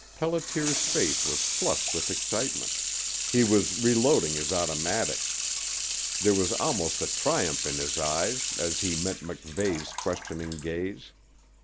Pelliter's face was flushed with excitement. He was reloading his automatic. There was almost a triumph in his eyes as he met MacVeigh's questioning gaze.